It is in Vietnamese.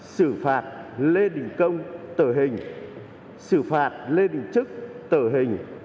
sử phạt lê đình công tở hình sử phạt lê đình trức tở hình